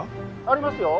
「ありますよ